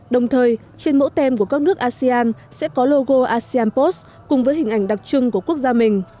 đồng thời trên mẫu tem của các nước asean sẽ có logo asean post cùng với hình ảnh đặc trưng của quốc gia mình